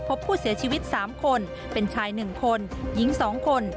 พบผู้เสียชีวิต๓คนเป็นชาย๑คนหญิง๒คน